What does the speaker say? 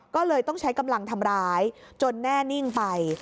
ก็เลยต้องใช้กำลังทำร้ายจนแน่นิ่งไป